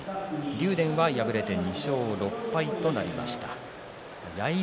竜電は敗れて２勝６敗となりました。